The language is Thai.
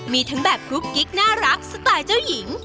มีทั้งแบบกรุ๊ปกิ๊กน่ารักสไตล์เจ้าหญิง